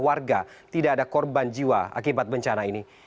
warga tidak ada korban jiwa akibat bencana ini